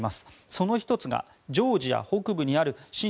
その１つがジョージア北部にある親